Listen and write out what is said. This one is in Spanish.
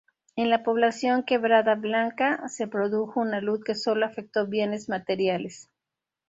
En la población Quebrada Blanca se produjo un alud que sólo afecto bienes materiales.